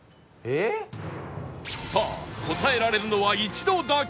さあ答えられるのは一度だけ